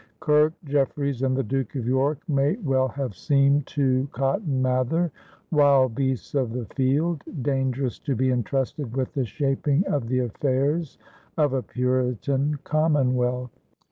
Kirke, Jeffreys, and the Duke of York may well have seemed to Cotton Mather "Wild Beasts of the Field," dangerous to be entrusted with the shaping of the affairs of a Puritan commonwealth.